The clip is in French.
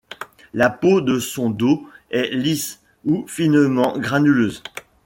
La peau de son dos est lisse ou finement granuleuse.